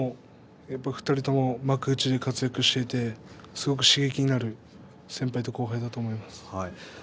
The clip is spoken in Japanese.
２人とも幕内で活躍をしていてすごく刺激になる先輩と後輩だと思います。